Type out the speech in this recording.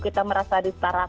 kita merasa disetarakan